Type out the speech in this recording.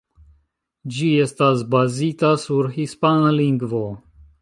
Ĝi estas bazita sur hispana lingvo.